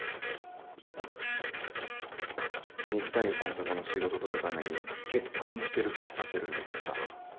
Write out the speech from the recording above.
二木谷さんとこの仕事取るために結婚してるふりさせるなんてさ。